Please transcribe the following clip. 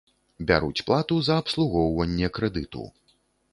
Бяруць плату за абслугоўванне крэдыту.